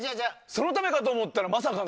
そのためかと思ったらまさかの。